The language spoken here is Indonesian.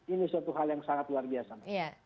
ini suatu hal yang sangat luar biasa